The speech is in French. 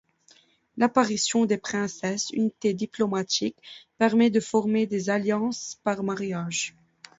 L'apparition des princesses, unité diplomatique, permet de former des alliances par mariage.